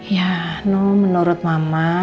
ya noh menurut mama